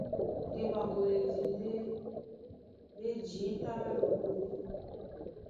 Ndé ɓaɓoledi ndé ɓá e jǐta lá lokólí.